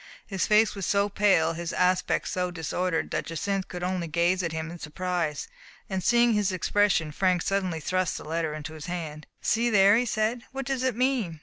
His face was so pale, his aspect so disordered, that Jacynth could only gaze at him in surprise. And seeing his expression, Frank suddenly thrust the letter into his hand. "See there,*' he said. "What does it mean?